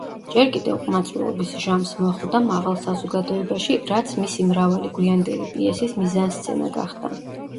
ჯერ კიდევ ყმაწვილობის ჟამს მოხვდა მაღალ საზოგადოებაში, რაც მისი მრავალი გვიანდელი პიესის მიზანსცენა გახდა.